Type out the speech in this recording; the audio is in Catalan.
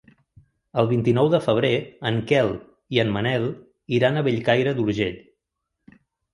El vint-i-nou de febrer en Quel i en Manel iran a Bellcaire d'Urgell.